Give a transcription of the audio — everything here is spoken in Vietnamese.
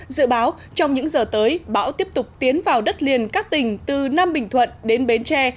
dự báo trong những giờ tới bão tiếp tục tiến vào đất liền các tỉnh từ nam bình thuận đến bến tre